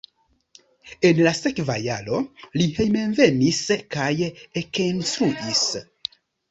En la sekva jaro li hejmenvenis kaj ekinstruis.